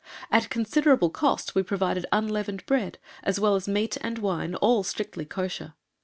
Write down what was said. At considerable cost we provided unleavened bread, as well as meat and wine all strictly "Kosher."